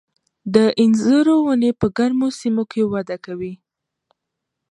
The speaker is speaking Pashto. د انځرو ونې په ګرمو سیمو کې وده کوي.